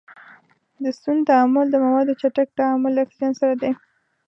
د سون تعامل د موادو چټک تعامل له اکسیجن سره دی.